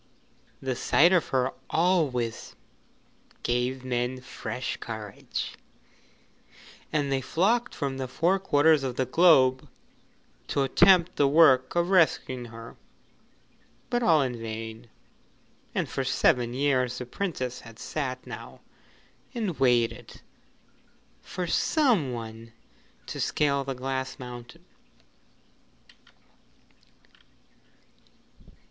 The sight of her always gave men fresh courage, and they flocked from the four quarters of the globe to attempt the work of rescuing her. But all in vain, and for seven years the Princess had sat now and waited for some one to scale the Glass Mountain.